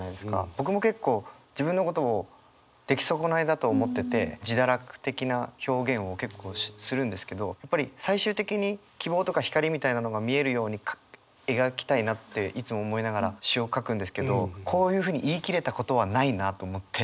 僕も結構自分のことをできそこないだと思ってて自堕落的な表現を結構するんですけどやっぱり最終的に希望とか光みたいなのが見えるように描きたいなっていつも思いながら詩を書くんですけどこういうふうに言い切れたことはないなと思って。